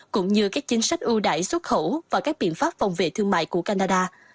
cũng như các chính sách ưu đại xuất khẩu và các biện pháp phòng vệ thương mại của canada